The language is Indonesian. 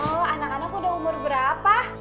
oh anak anak udah umur berapa